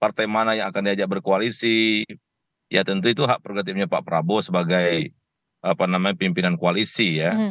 partai mana yang akan diajak berkoalisi ya tentu itu hak prerogatifnya pak prabowo sebagai pimpinan koalisi ya